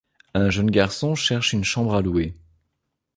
Un jeune garçon cherche une chambre à louer.